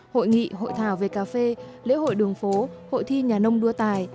hội nghị hội thảo về cà phê lễ hội đường phố hội thi nhà nông đua tài